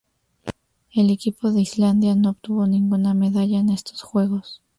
El equipo de Islandia no obtuvo ninguna medalla en estos Juegos.